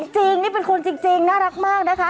จริงนี่เป็นคนจริงน่ารักมากนะคะ